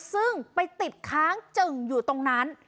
ซึ่งไปติดค้างจึ่งอยู่ตรงนั้น